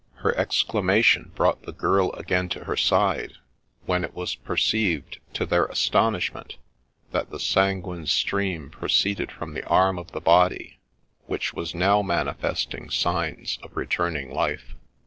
Her exclamation brought the girl again to her side, when it was perceived, to their astonish ment, that the sanguine stream proceeded from the arm of the' body, which was now manifesting signs of returning life.